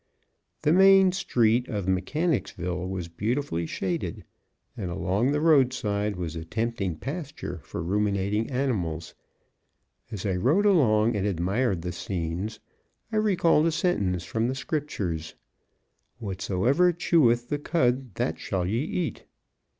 The main street of Mechanicsville was beautifully shaded, and along the road side was a tempting pasture for ruminating animals. As I rode along and admired the scenes, I recalled a sentence from the Scriptures: "Whatsoever cheweth the cud that shall ye eat."